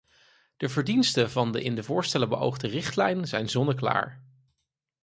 De verdiensten van de in die voorstellen beoogde richtlijn zijn zonneklaar.